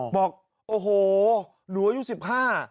บอกโอ้โหหลัวอายุ๑๕ปี